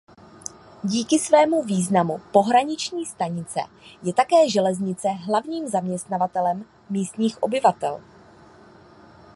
Díky svému významu pohraniční stanice je také železnice hlavním zaměstnavatelem místních obyvatel.